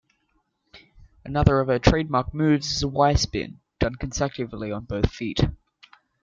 Another of her trademark moves is a Y-spin done consecutively on both feet.